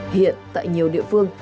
hiện tại nhiều địa phương